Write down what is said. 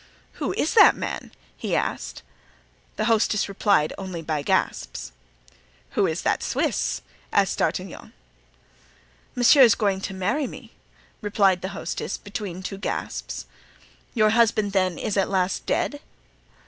"Who is that man?" he asked. The hostess replied only by gasps. "Who is that Swiss?" asked D'Artagnan. "Monsieur is going to marry me," replied the hostess, between two gasps. "Your husband, then, is at last dead?"